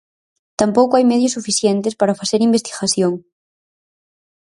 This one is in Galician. Tampouco hai medios suficientes para facer investigación.